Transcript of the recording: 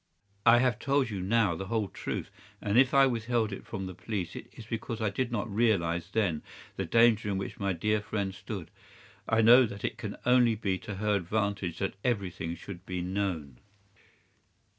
I have told you now the whole truth, and if I withheld it from the police it is because I did not realize then the danger in which my dear friend stood. I know that it can only be to her advantage that everything should be known.